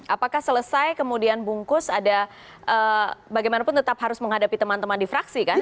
apakah selesai kemudian bungkus ada bagaimanapun tetap harus menghadapi teman teman di fraksi kan